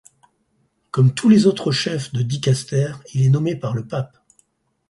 Comme tous les autres chefs de dicastère, il est nommé par le pape.